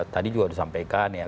tadi juga disampaikan ya